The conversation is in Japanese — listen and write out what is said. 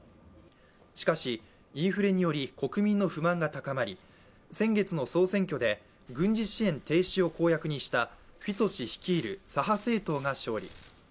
しかし、インフレにより国民の不満が高まり先月の総選挙で軍事支援停止を公約にしたフィツォ氏率いる左派政党が勝利。